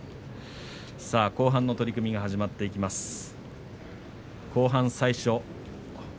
後半の取組が始まっていきます。